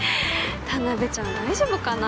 田辺ちゃん大丈夫かな。